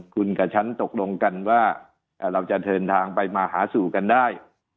คุณกับฉันตกลงกันว่าเราจะเดินทางไปมาหาสู่กันได้